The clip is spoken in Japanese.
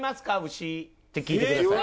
牛」って聞いてください。